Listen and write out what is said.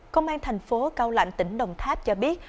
công an thành phố cao lạnh tỉnh đồng tháp cho biết